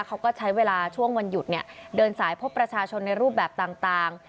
เขาก็ใช้เวลาช่วงวันหยุดเนี่ยเดินสายพบประชาชนในรูปแบบต่าง